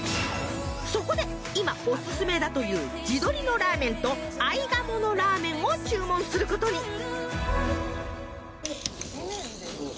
そこで今オススメだという地鶏のラーメンと合鴨のラーメンを注文することに。